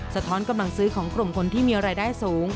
สะท้อนกำลังซื้อของกลุ่มคนที่มีรายได้สูง